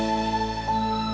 aku tinggal sama kamu